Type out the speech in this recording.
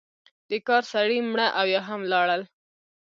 د کار سړی مړه او یا هم ولاړل.